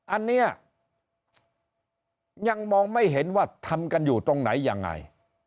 อันนี้ยังมองไม่เห็นว่าทำกันอยู่ตรงไหนยังไง